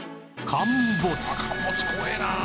陥没怖えなあ。